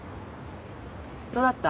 どうだった？